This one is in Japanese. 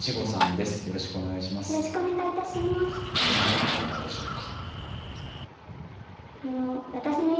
どんなモヤモヤでしょうか？